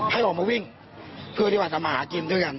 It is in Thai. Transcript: ให้ลงมาวิ่งเพื่อที่ว่าทำมาหากินด้วยกัน